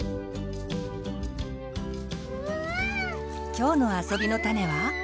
今日の「あそびのタネ」は。